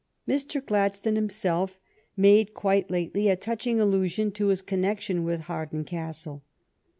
Mr. Gladstone himself made quite lately a touch ing allusion to his connection with Hawarden Castle.